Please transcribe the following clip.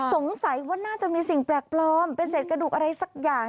สงสัยว่าน่าจะมีสิ่งแปลกปลอมเป็นเศษกระดูกอะไรสักอย่าง